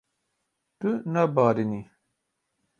Tu nabarînî.